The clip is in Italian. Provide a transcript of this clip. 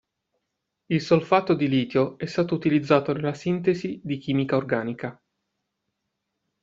Il solfato di litio è stato utilizzato nella sintesi di chimica organica.